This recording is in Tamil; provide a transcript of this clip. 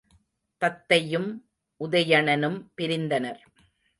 தத்தையும் உதயணனும் பிரிந்தனர்.